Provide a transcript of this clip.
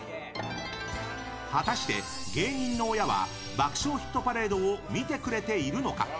果たして芸人の親は「爆笑ヒットパレード」を見てくれているのか？